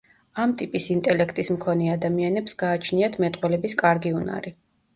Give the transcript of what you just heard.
ამ ტიპის ინტელექტის მქონე ადამიანებს გააჩნიათ მეტყველების კარგი უნარი.